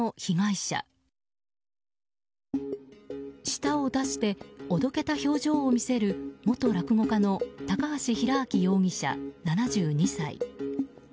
舌を出しておどけた表情を見せる元落語家の高橋平明容疑者、７２歳。